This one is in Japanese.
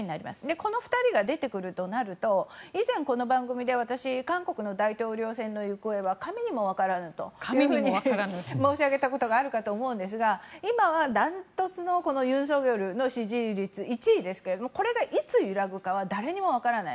この２人が出てくるとなると以前、この番組で私韓国の大統領選の行方は神にも分からないと申し上げたことがあるかと思うんですが今は断トツのユン・ソクヨルの支持率１位ですがこれがいつ揺らぐかは誰も分からない。